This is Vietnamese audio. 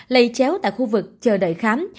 lây chéo tại khu vực chờ đợi khám